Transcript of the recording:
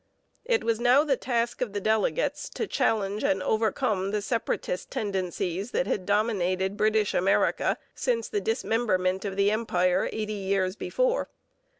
It was now the task of the delegates to challenge and overcome the separatist tendencies that had dominated British America since the dismemberment of the Empire eighty years before.